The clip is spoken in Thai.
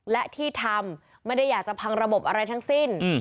และที่ทำไม่ได้อยากจะพังระบบอะไรทั้งสิ้น